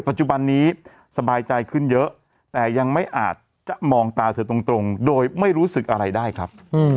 ปัจจุบันนี้สบายใจขึ้นเยอะแต่ยังไม่อาจจะมองตาเธอตรงโดยไม่รู้สึกอะไรได้ครับ